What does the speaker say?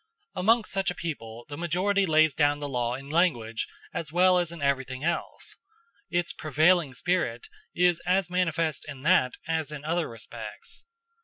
Amongst such a people the majority lays down the law in language as well as in everything else; its prevailing spirit is as manifest in that as in other respects.